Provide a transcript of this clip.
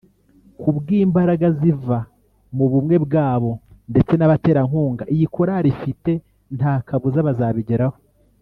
Ku bw’imbaraga ziva mu bumwe bwabo ndetse n’abaterankunga iyi korali ifite nta kabuza bazabigeraho